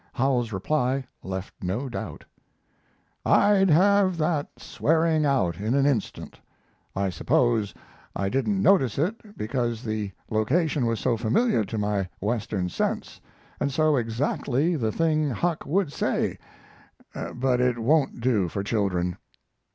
Howells's reply left no doubt: I'd have that swearing out in an instant. I suppose I didn't notice it because the location was so familiar to my Western sense, and so exactly the thing Huck would say, but it won't do for children.